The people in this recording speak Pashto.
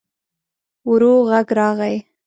ورو غږ راغی.